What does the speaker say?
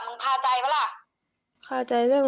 มึงคาใจหรือเปล่า